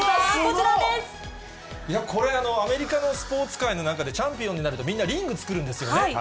すごい！いやこれ、アメリカのスポーツ界の中でチャンピオンになると、みんなリングそうですね。